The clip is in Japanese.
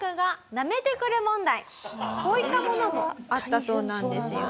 こういったものもあったそうなんですよね。